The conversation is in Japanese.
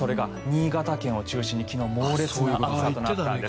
新潟県を中心に昨日猛烈な暑さとなったんです。